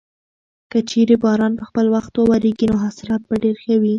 که چېرې باران په خپل وخت وورېږي نو حاصلات به ډېر ښه وي.